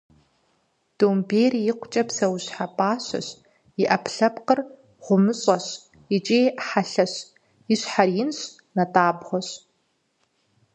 Домбейр икъукӏэ псэущхьэ пӏащэщ, и ӏэпкълъэпкъыр гъумыщӏэщ икӏи хьэлъэщ, и щхьэр инщ, натӏабгъуэщ.